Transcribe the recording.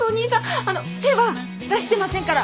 あの手は出してませんから。